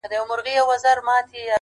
ه ستا د سترگو احترام نه دی، نو څه دی.